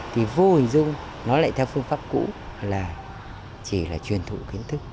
thì vô hình dung nó lại theo phương pháp cũ là chỉ là truyền thụ cái hình thức